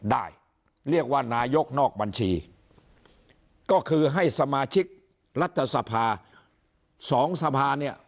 ได้เรียกว่านายกนอกบัญชีก็คือให้สมาชิกรัฐสภาสองสภาเนี่ย